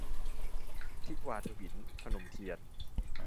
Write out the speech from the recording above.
ทิวาถวิล - พนมเทียน